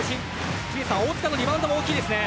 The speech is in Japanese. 大塚のリバウンドも大きいですね。